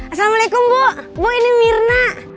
assalamualaikum bu ini mirna